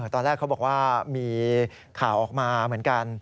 ตอนแรกเขาบอกว่ามีข่าวออกมาเหมือนกัน